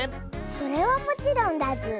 それはもちろんだズー！